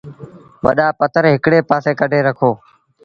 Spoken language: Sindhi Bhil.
وڏآ پٿر هڪڙي پآسي ڪڍي رکو ۔